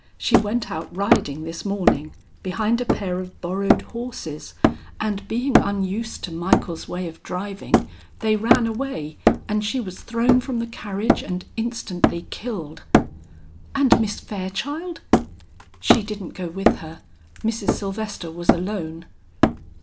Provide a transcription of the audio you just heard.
"She went out riding this morning behind a pair of borrowed horses and being unused to Michael's way of driving, they ran away and she was thrown from the carriage and instantly killed." "And Miss Fairchild?" "She didn't go with her. Mrs. Sylvester was alone."